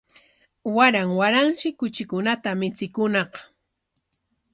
Waran waranshi kuchikunata michikuñaq